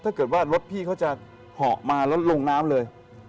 ถ้าเกิดว่ารถพี่เขาจะเหาะมาแล้วลงน้ำเลย